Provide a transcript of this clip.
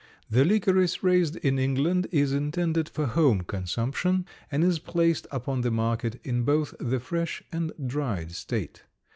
The licorice raised in England is intended for home consumption and is placed upon the market in both the fresh and dried state.